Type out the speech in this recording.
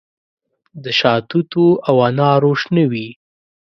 د شاتوتو او انارو شنه وي